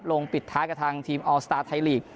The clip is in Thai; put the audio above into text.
ปิดท้ายกับทางทีมออลสตาร์ไทยลีก